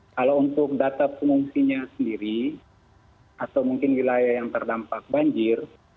kalau untuk data pengungsinya sendiri atau mungkin wilayah yang terdampak banjir